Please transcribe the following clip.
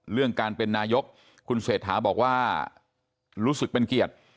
เรื่องการเป็นนายกคุณเศรษฐาบอกว่ารู้สึกเป็นเกียรติ